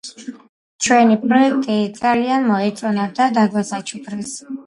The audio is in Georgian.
ჩვენი პროეკტი ძალიან მოეწონათ და დაგვასაჩუქრეს